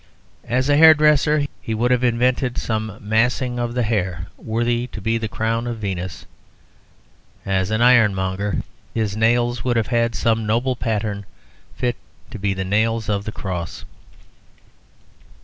As a hairdresser, he would have invented some massing of the hair worthy to be the crown of Venus; as an ironmonger, his nails would have had some noble pattern, fit to be the nails of the Cross.